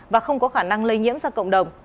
và không có khả năng lây nhiễm ra cộng đồng